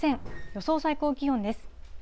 予想最高気温です。